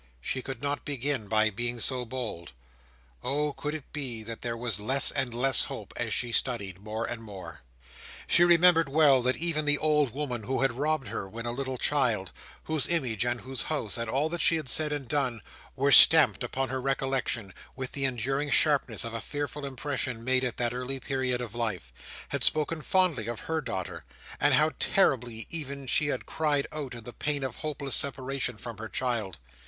She could not begin by being so bold. Oh! could it be that there was less and less hope as she studied more and more! She remembered well, that even the old woman who had robbed her when a little child—whose image and whose house, and all she had said and done, were stamped upon her recollection, with the enduring sharpness of a fearful impression made at that early period of life—had spoken fondly of her daughter, and how terribly even she had cried out in the pain of hopeless separation from her child.